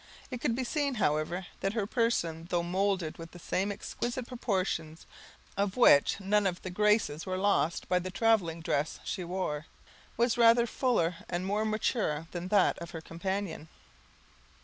It could be seen, however, that her person, though molded with the same exquisite proportions, of which none of the graces were lost by the traveling dress she wore, was rather fuller and more mature than that of her companion.